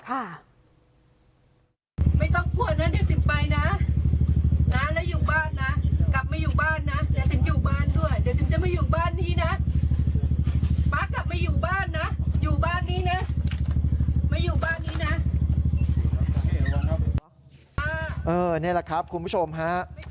นี่แหละครับคุณผู้ชมฮะ